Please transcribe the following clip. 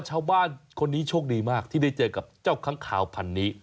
ชาวบ้านคนนี้โชคดีมากที่ได้เจอกับเจ้าค้างคาวพันนี้